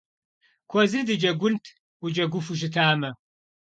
Куэзыр дыджэгунт, уджэгуфу щытамэ.